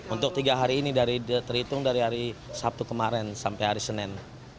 untuk tiga hari ini terhitung dari hari sabtu kemarin sampai hari senin